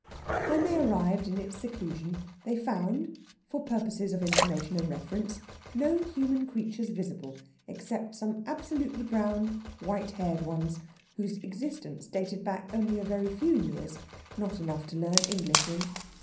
When they arrived in its seclusion they found, for purposes of information and reference, no human creatures visible except some absolutely brown, white haired ones whose existence dated back only a very few years not enough to learn English in.